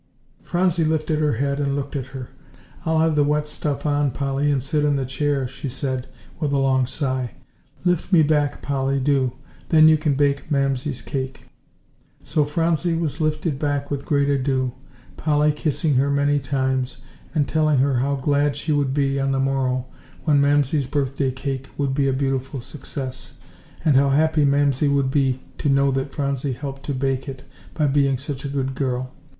Phronsie lifted her head and looked at her. "I'll have the wet stuff on, Polly, and sit in the chair," she said, with a long sigh; "lift me back, Polly, do; then you can bake Mamsie's cake." So Phronsie was lifted back with great ado, Polly kissing her many times, and telling her how glad she would be on the morrow when Mamsie's birthday cake would be a beautiful success, and how happy Mamsie would be to know that Phronsie helped to bake it by being such a good girl.